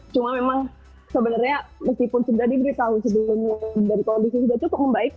cuma memang sebenarnya meskipun sudah diberitahu sebelumnya dan kondisi sudah cukup membaik